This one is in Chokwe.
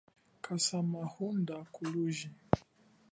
Kasa mahunda kuloji.